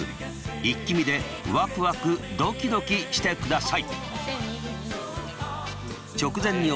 イッキ見でワクワクドキドキしてください。